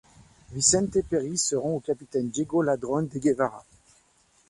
Vicente Peris se rend au capitaine Diego Ladrón de Guevara.